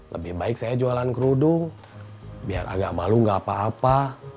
lebih baik saya jualan kerudung biar agak malu gak apa apa